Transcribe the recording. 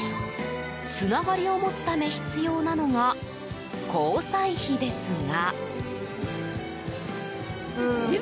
つながりを持つため必要なのが交際費ですが。